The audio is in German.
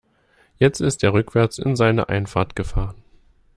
Jetzt ist er rückwärts in seine Einfahrt gefahren.